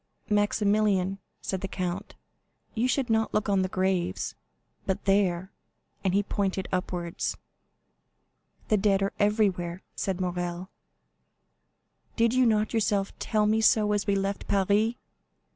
50231m "Maximilian," said the count, "you should not look on the graves, but there;" and he pointed upwards. "The dead are everywhere," said Morrel; "did you not yourself tell me so as we left Paris?"